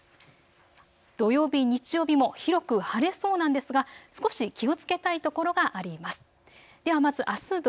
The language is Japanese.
土曜日、日曜日も広く晴れそうなんですが少し気をつけたいところがあります。